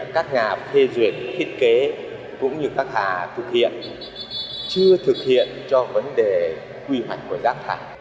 các nhà phê duyệt thiết kế cũng như các nhà thực hiện chưa thực hiện cho vấn đề quy hoạch của rác thải